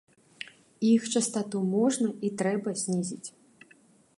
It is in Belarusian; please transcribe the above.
Іх частату можна і трэба знізіць.